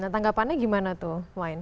tanggapannya gimana tuh